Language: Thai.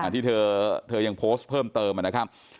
ที่เธอยังโพสต์เพิ่มเติมนะครับ